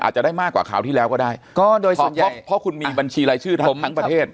อาจจะได้มากกว่าคราวที่แล้วก็ได้ก็โดยเฉพาะเพราะคุณมีบัญชีรายชื่อผมทั้งประเทศ